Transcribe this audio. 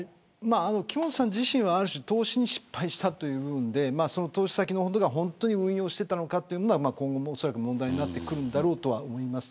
木本さん自身はある種投資に失敗したという部分で投資先が本当に運用していたのかが今後も、おそらく問題になるだろうと思います。